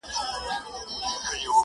چي یو غټ سي د پنځو باندي یرغل سي!